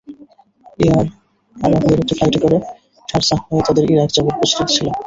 Air অ্যারাবিয়ার একটি ফ্লাইটে করে শারজাহ হয়ে তাঁদের ইরাক যাওয়ার প্রস্তুতি ছিল।